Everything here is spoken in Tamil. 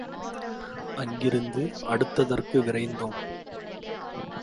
அங்கிருந்து அடுத்ததற்கு விரைந்தோம்.